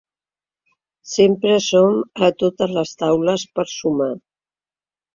Sempre som a totes les taules per sumar.